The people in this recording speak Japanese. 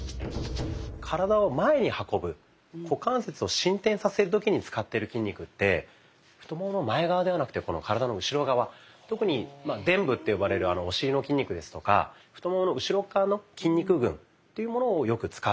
体を前に運ぶ股関節を伸展させる時に使ってる筋肉って太ももの前側ではなくて体の後ろ側特にでん部って呼ばれるお尻の筋肉ですとか太ももの後ろ側の筋肉群っていうものをよく使ってるんですね。